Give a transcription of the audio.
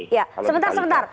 iya sebentar sebentar